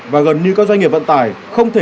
và gần như các doanh nghiệp vận tải không thể